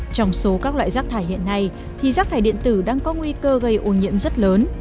trong số các loại rác thải hiện nay thì rác thải điện tử đang có nguy cơ gây ô nhiễm rất lớn